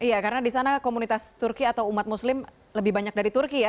iya karena di sana komunitas turki atau umat muslim lebih banyak dari turki ya